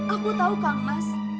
aku tahu kang mas